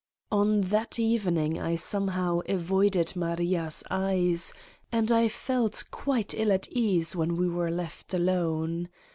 On that evening I somehow avoided Maria's eyes and I felt quite ill at ease when we were left alone.